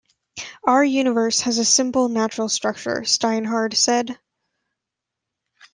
"Our universe has a simple, natural structure," Steinhardt said.